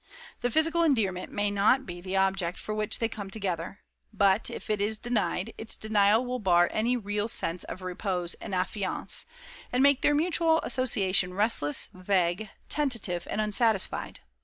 The physical endearment may not be the object for which they come together; but, if it is denied, its denial will bar any real sense of repose and affiance, and make their mutual association restless, vague, tentative and unsatisfied.